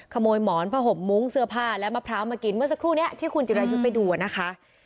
หมอนผ้าห่มมุ้งเสื้อผ้าและมะพร้าวมากินเมื่อสักครู่นี้ที่คุณจิรายุทธ์ไปดูนะคะ